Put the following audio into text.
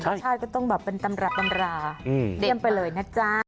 ชาติก็ต้องแบบเป็นตำราเดี้ยมไปเลยนะจ๊ะ